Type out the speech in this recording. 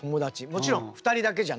もちろん２人だけじゃないからね